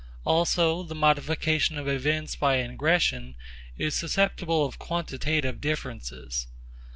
Also the modification of events by ingression is susceptible of quantitative differences.